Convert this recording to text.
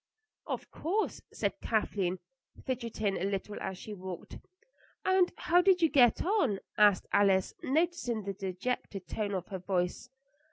"Of course," said Kathleen, fidgeting a little as she walked. "And how did you get on?" asked Alice, noticing the dejected tone of her voice.